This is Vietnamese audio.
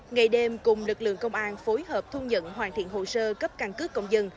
ngày đêm cùng lực lượng công an phối hợp thu nhận hoàn thiện hồ sơ cấp căn cước công dân